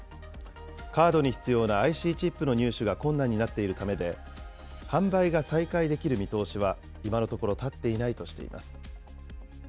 カードに必要なＩＣチップの入手が困難になっているためで、販売が再開できる見通しは今のところ立っていないとしています。